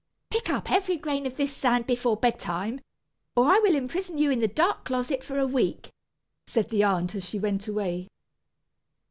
"Pick up every grain of this sand before bedtime, or I will imprison you in the dark closet for a week," said the aunt as she went away.